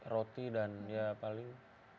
roti dan ya paling